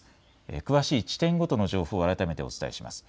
詳しい地点ごとの情報、改めてお伝えします。